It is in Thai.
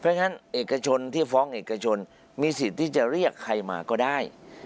เพราะฉะนั้นเอกชนที่ฟ้องเอกชนมีสิทธิ์ที่จะเรียกใครมาก็ได้